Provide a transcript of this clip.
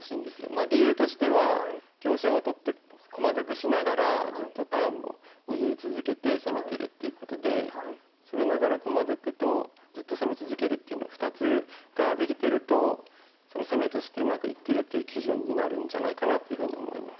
理由としては香車を取って駒得しながらずっとターンも握り続けて攻めてるっていうことでっていうのを２つができてると攻めとしてうまくいってるっていう基準になるんじゃないかなというふうに思います。